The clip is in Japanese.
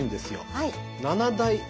はい。